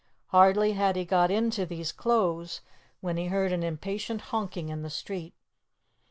Hardly had he got into these clothes, when he heard an impatient honking in the street.